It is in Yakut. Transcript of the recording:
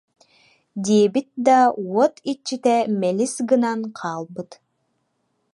диэбит да, уот иччитэ мэлис гынан хаалбыт